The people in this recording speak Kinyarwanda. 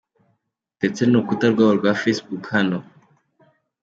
rw ndetse n’urukuta rwabo rwa Facebook hano.